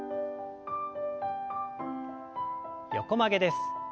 横曲げです。